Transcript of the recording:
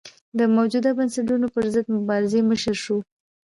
د موجوده بنسټونو پرضد مبارزې مشر شو.